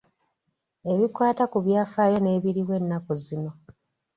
Ebikwata ku byafaayo n'ebiriwo ennaku zino.